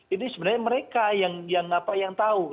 ini sebenarnya mereka yang apa yang tahu